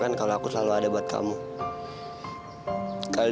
gak ada apa apa komah